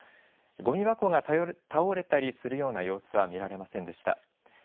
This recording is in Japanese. ごみ箱が倒れたりするような様子は見られませんでした。